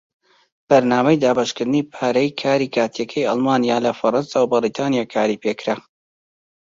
بەرنامەی دابەشکردنی پارەی کاری کاتیەکەی ئەڵمانیا لە فەڕەنسا و بەریتانیا کاری پێکرا.